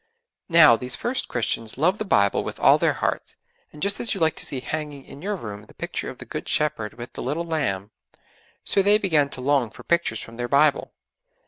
Now, these first Christians loved the Bible with all their hearts, and just as you like to see hanging in your room the picture of the Good Shepherd with the little lamb, so they began to long for pictures from their Bible.